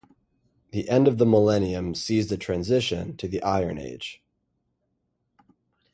The end of the millennium sees the transition to the Iron Age.